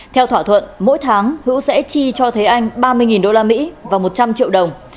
theo thỏa thuận mỗi tháng hữu sẽ chi cho thế anh ba mươi usd và một trăm linh triệu đồng